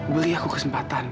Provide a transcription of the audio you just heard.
beli aku kesempatan